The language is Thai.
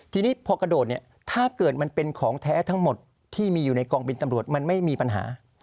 ทีนี้พอกระโดดเนี่ยถ้าเกิดมันเป็นของแท้ทั้งหมดที่มีอยู่ในกองบินตำรวจมันไม่มีปัญหา